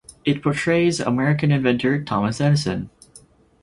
It portrays American inventor Thomas Edison.